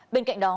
bên cạnh đó